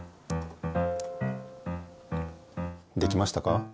できましたか？